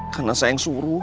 karena saya yang suruh